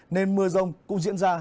nên mưa rông cũng diễn ra